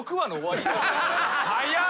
・早っ。